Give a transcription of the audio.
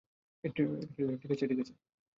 ঠিক আছে, ঠিক আছে!